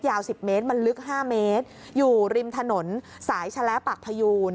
๑๐เมตรมันลึก๕เมตรอยู่ริมถนนสายชะแล้ปากพยูน